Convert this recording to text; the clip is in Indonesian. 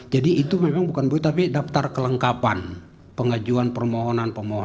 jadi itu memang bukan buit tapi daftar kelengkapan pengajuan permohonan perbaikan